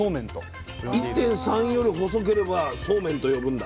１．３より細ければそうめんと呼ぶんだ。